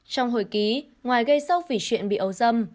trong hồi ký ngoài gây sốc vì chuyện bị ấu dâm